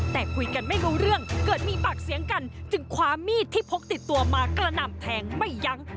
แต่คุยกันไม่รู้เรื่องเกิดมีปากเสียงกันจึงคว้ามีดที่พกติดตัวมากระหน่ำแทงไม่ยั้ง